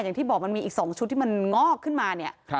อย่างที่บอกมันมีอีก๒ชุดที่มันงอกขึ้นมาเนี่ย